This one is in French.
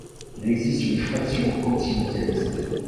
Il existe une fraction antimondialiste.